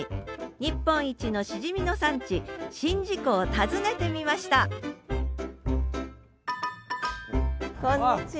日本一のシジミの産地宍道湖を訪ねてみましたこんにちは。